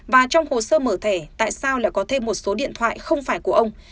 và trong hồ sơ mở thẻ tại sao lại có thêm một số điện thoại không phải của ông